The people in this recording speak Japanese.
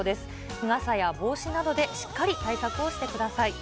日傘や帽子などでしっかり対策をしてください。